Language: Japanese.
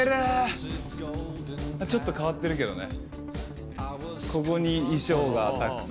ちょっと変わってるけどね。